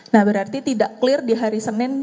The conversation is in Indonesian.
nah berarti tidak clear di hari senin